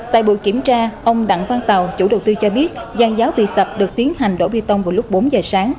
tại buổi kiểm tra ông đặng văn tàu chủ đầu tư cho biết giang giáo bị sập được tiến hành đổ bê tông vào lúc bốn giờ sáng